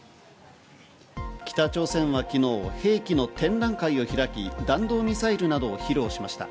北朝鮮は昨日、兵器の展覧会を開き、弾道ミサイルなどを披露しました。